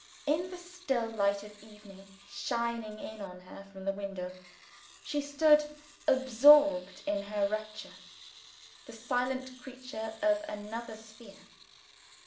In the still light of evening, shining in on her from the window, she stood absorbed in her own rapture the silent creature of another sphere!